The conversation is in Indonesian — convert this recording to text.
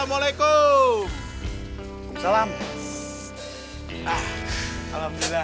aku tadi cuma untuk cita tete nanti aku kabur